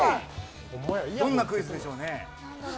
どんなクイズでしょうね。